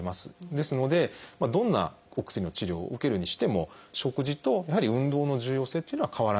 ですのでどんなお薬の治療を受けるにしても食事とやはり運動の重要性っていうのは変わらない。